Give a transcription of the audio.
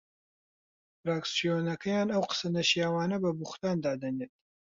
فراکسیۆنەکەیان ئەو قسە نەشیاوانە بە بوختان دادەنێت